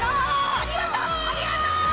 ありがとう。